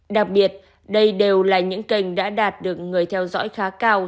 đặc biệt đây đều là những kênh đã đạt được người theo dõi khá cao